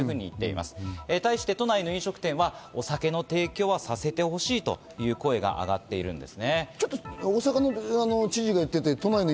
それに対して都内の飲食店はお酒の提供をさせてほしいという声が上がっているんです。